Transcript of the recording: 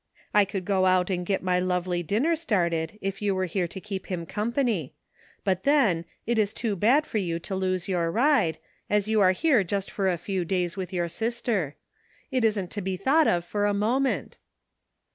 I could go out and get my lovely dinner started if you were here to keep him company ; but then, it is too bad for you to lose your ride, as you are here just for a few days with your sister. It isn't to be thought of for a moment."